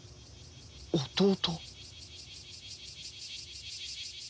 弟？